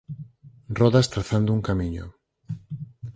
Rodas trazando un camiño.